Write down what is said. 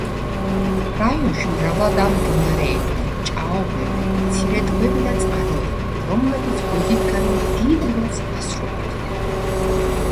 რაიონში მრავლადაა მდინარეები, ჭაობები, მცირე ტბები და წყაროები, რომელბიც ოდითგანვე დიდ როლს ასრულებდნენ